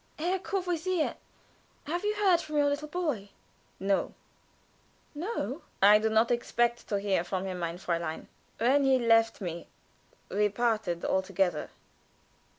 "Herr Courvoisier, have you heard from your little boy?" "No." "No?" "I do not expect to hear from him, mein Fräulein. When he left me we parted altogether."